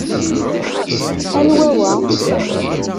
Anwa wa?